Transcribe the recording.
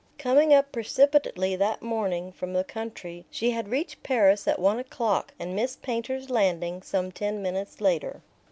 Coming up precipitately that morning from the country, she had reached Paris at one o'clock and Miss Painter's landing some ten minutes later.